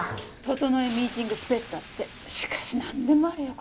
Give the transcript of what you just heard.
整いミーティングスペースだってしかし何でもあるよ